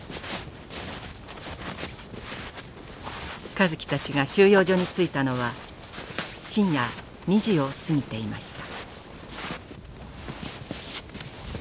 香月たちが収容所に着いたのは深夜２時を過ぎていました。